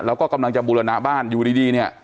แล้วก็กำลังจะบูรณะบ้านอยู่ดีเนี่ย